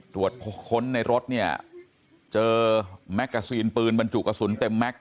ตรวจค้นในรถเนี่ยเจอแมกกาซีนปืนบรรจุกระสุนเต็มแก๊ก